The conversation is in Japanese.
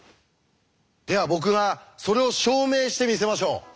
では僕がそれを証明してみせましょう。